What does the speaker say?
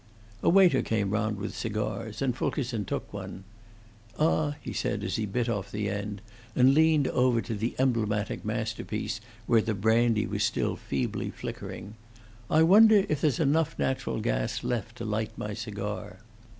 A waiter came round with cigars, and Fulkerson took one. "Ah," he said, as he bit off the end, and leaned over to the emblematic masterpiece, where the brandy was still feebly flickering, "I wonder if there's enough natural gas left to light my cigar."